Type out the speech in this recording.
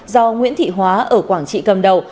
do nguyễn thị hóa ở quảng trị cầm đầu